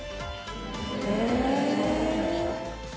へえ。